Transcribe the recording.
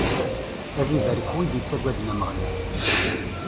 Ad ibarek wid yettagwgden Ameɣlal.